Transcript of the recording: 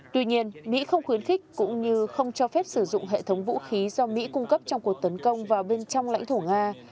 tuy nhiên mỹ không khuyến khích cũng như không cho phép sử dụng hệ thống vũ khí do mỹ cung cấp trong cuộc tấn công vào bên trong lãnh thổ nga